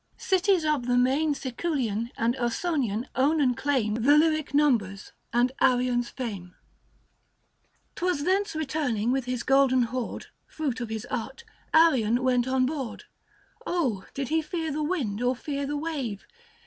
Cities of the main Siculian and Ausonian own and claim The lyric numbers and virion's fame. 'Twas thence returning with his golden hoard, 85 Ijruit of his art, Arion went on board. did he fear the wind or fear the wave